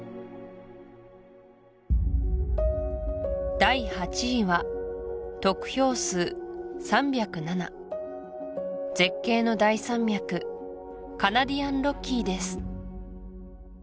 第８位は得票数３０７絶景の大山脈カナディアンロッキーです